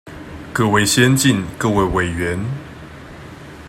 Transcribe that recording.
各位先進、各位委員